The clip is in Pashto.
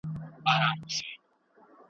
پښتورګي د ادرار د لارې فاضله مواد لېرې کوي.